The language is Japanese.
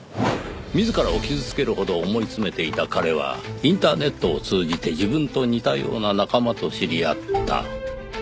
自らを傷つけるほど思い詰めていた彼はインターネットを通じて自分と似たような仲間と知り合った。